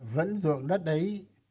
vẫn dụng đất ấy